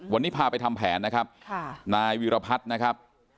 วันนี้พาไปทำแผนนะครับนายวีรพัฒน์นะครับ